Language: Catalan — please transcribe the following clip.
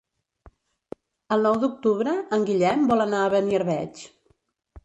El nou d'octubre en Guillem vol anar a Beniarbeig.